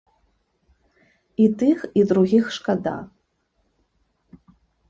І тых, і другіх шкада.